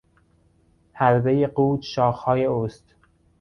حربهی قوچ شاخهای اوست.